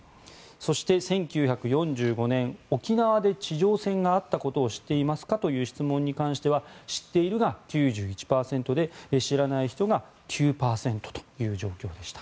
そして、１９４５年沖縄で地上戦があったことを知っていますかという質問に関しては知っているが９１％で知らない人が９％という状況でした。